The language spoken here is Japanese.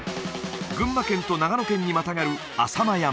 群馬県と長野県にまたがる浅間山